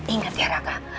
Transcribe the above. ingat ya raka